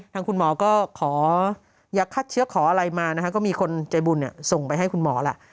ทางคุณหมอก็ขอยักษ์เชื้อขออะไรมานะคะก็มีคนใจบุญเนี่ยส่งไปให้คุณหมอล่ะ